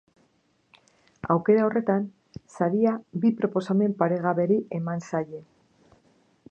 Aukera horretan saria bi proposamen paregaberi eman zaie.